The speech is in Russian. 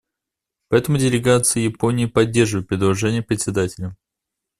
Поэтому делегация Японии поддерживает предложение Председателя.